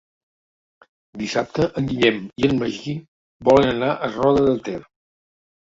Dissabte en Guillem i en Magí volen anar a Roda de Ter.